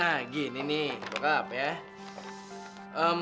nah gini nih bokap ya